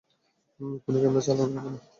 কোনও ক্যামেরা চালানো যাবে না!